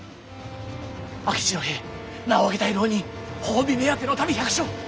明智の兵名を上げたい浪人褒美目当ての民百姓！